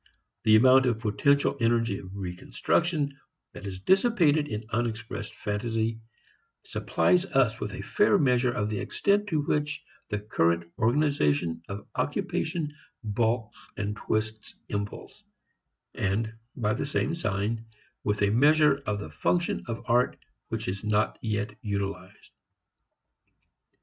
The amount of potential energy of reconstruction that is dissipated in unexpressed fantasy supplies us with a fair measure of the extent to which the current organization of occupation balks and twists impulse, and, by the same sign, with a measure of the function of art which is not yet utilized.